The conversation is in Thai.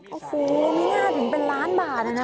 โอ้โหไม่น่าถึงเป็นล้านบาทนะ